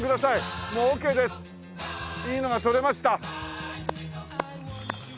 いいのが撮れました。